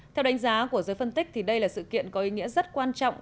theo đánh giá của giới phân tích đây là sự kiện có ý nghĩa rất quan trọng